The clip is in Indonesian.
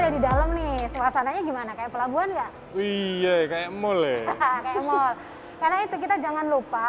di dalam nih suasananya gimana kayak pelabuhan ya wih kayak boleh karena itu kita jangan lupa